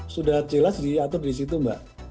sudah jelas diatur di situ mbak